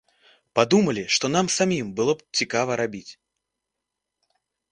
Падумалі, што нам самім было б цікава рабіць.